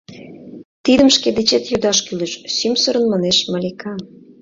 — Тидым шке дечет йодаш кӱлеш, — сӱмсырын манеш Малика.